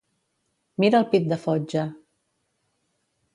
Mira el pit de fotja!